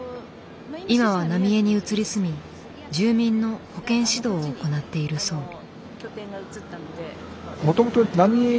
今は浪江に移り住み住民の保健指導を行っているそう。